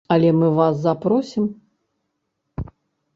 Але мы вас запросім!